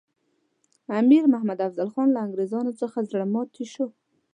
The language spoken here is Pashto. امیر محمد افضل خان له انګریزانو څخه زړه ماتي شو.